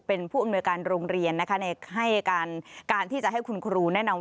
เป็นผู้อำนวยการโรงเรียนนะคะให้การการที่จะให้คุณครูแนะนำว่า